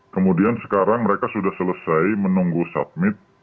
kemudian sekarang mereka sudah selesai menunggu submit